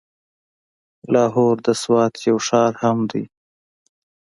لاهور د سوات يو ښار هم دی.